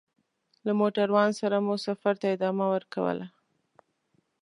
له موټروان سره مو سفر ته ادامه ورکوله.